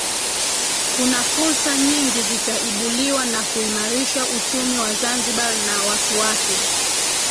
kuna fursa nyingi zitaibuliwa na kuimarisha uchumi wa Zanzibar na watu wake